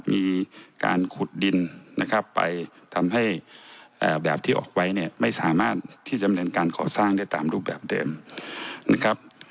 มีการขุดดินนะครับไปทำให้แบบที่ออกไว้เนี่ยไม่สามารถที่ดำเนินการก่อสร้างได้ตามรูปแบบเดิมนะครับ